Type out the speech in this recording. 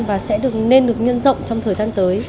và sẽ được nên được nhân rộng trong thời gian tới